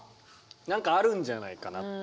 何かあるんじゃないかなって。